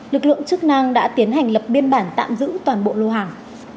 lực lượng chức năng đã tiến hành lập biên bản tạm giữ toàn bộ lô hàng